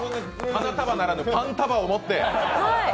花束ならぬパン束を持って。